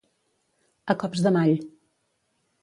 A cops de mall.